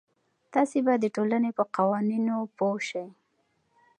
تاسې به د ټولنې په قوانینو پوه سئ.